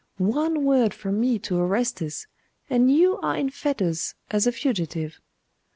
One word from me to Orestes, and you are in fetters as a fugitive.